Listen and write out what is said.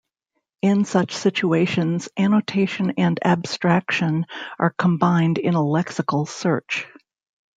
In such situations annotation and abstraction are combined in a lexical search.